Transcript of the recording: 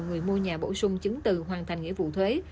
người mua nhà bổ sung chứng từ hoàn thành nghĩa vụ thuế